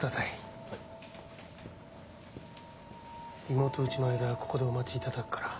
リモート打ちの間ここでお待ちいただくから。